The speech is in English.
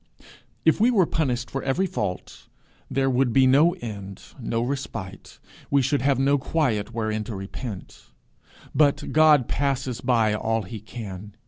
If we were punished for every fault, there would be no end, no respite; we should have no quiet wherein to repent; but God passes by all he can.